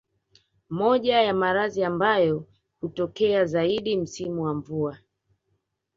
Moja ya maradhi ambayo hutokea zaidi msimu wa mvua